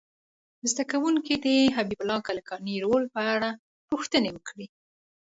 زده کوونکي دې د حبیب الله کلکاني رول په اړه پوښتنې وکړي.